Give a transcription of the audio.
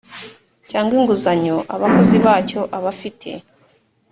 cyangwa inguzanyo abakozi bacyo abafite